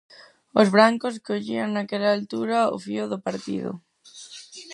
Os brancos collían naquela altura o fío do partido.